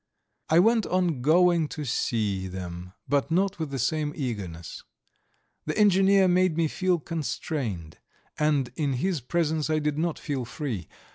I went on going to see them, but not with the same eagerness. The engineer made me feel constrained, and in his presence I did not feel free.